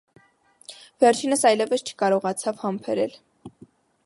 Վերջինս այլևս չկարողացավ համբերել: